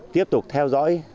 tiếp tục theo dõi